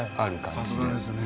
さすがですね。